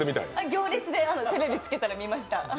「行列」でテレビつけたらやってました。